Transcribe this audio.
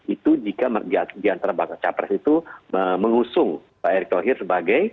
itu jika di antara pak capres itu mengusung pak erick klohir sebagai pasangan cawapres